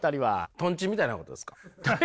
とんちみたいなことですか？